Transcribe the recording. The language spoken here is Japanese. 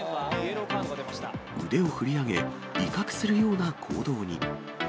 腕を振り上げ、威嚇するような行動に。